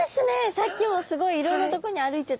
さっきもすごいいろんなとこに歩いてた。